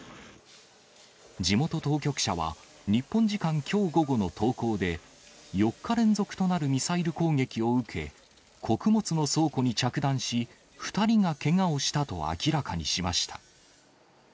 地元当局者は、日本時間きょう午後の投稿で、４日連続となるミサイル攻撃を受け、穀物の倉庫に着弾し、２人がけがをしたと明らかにしました。